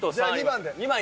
２番で。